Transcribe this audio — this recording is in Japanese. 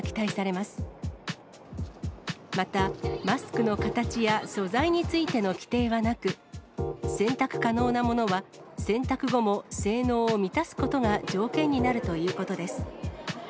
また、マスクの形や素材についての規定はなく、洗濯可能なものは、洗濯後も性能を満たすことが条件になるということです。